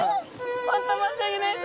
本当申し訳ないです！